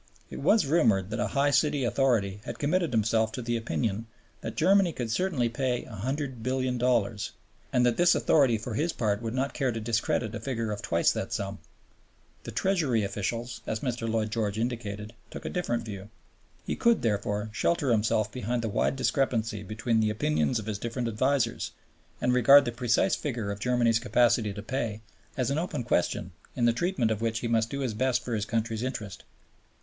It was rumored that a high city authority had committed himself to the opinion that Germany could certainly pay $100,000,000,000 and that this authority for his part would not care to discredit a figure of twice that sum. The Treasury officials, as Mr. Lloyd George indicated, took a different view. He could, therefore, shelter himself behind the wide discrepancy between the opinions of his different advisers, and regard the precise figure of Germany's capacity to pay as an open question in the treatment of which he must do his best for his country's interests.